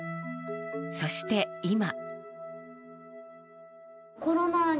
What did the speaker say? そして、今。